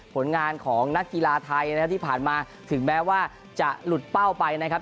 ผลงานของนักกีฬาไทยนะครับที่ผ่านมาถึงแม้ว่าจะหลุดเป้าไปนะครับ